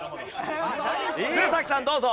鶴崎さんどうぞ。